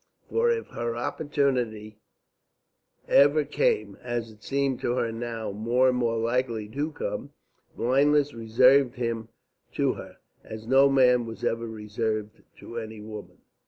For if her opportunity ever came, as it seemed to her now more and more likely to come, blindness reserved him to her, as no man was ever reserved to any woman.